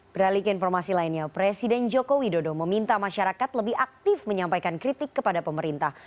beralik informasi lainnya presiden joko widodo meminta masyarakat lebih aktif menyampaikan kritik kepada pemerintah